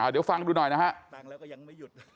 เดี๋ยวฟังดูหน่อยนะครับ